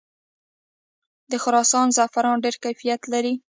د خراسان زعفران ډیر کیفیت لري.